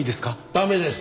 駄目です。